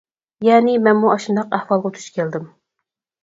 يەنى، مەنمۇ ئاشۇنداق ئەھۋالغا دۇچ كەلدىم.